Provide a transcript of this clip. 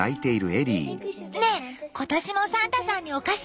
ねえ今年もサンタさんにお菓子を用意する？